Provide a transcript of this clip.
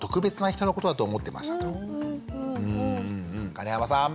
金濱さん。